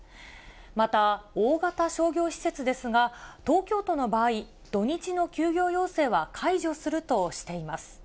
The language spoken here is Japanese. また、大型商業施設ですが、東京都の場合、土日の休業要請は解除するとしています。